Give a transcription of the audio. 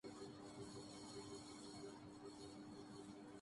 سماجی اصلاحات اور سیاسی جد و جہد کیسے ہم آہنگ ہوںگے؟